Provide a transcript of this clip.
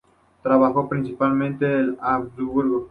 Trabajó principalmente en Augsburgo.